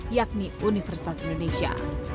yakni universitas indonesia